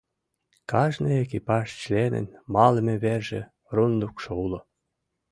Кажне экипаж членын малыме верже, рундукшо уло.